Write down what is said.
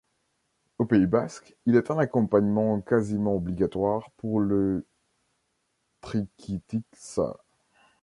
Au Pays basque, il est un accompagnement quasiment obligatoire pour le trikitixa.